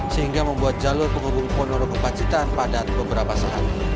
sehingga membuat jalur penghubung ponorogo pacitan padat beberapa saat